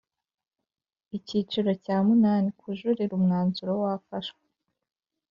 Icyiciro cya munani Kujuririra umwanzuro wafashwe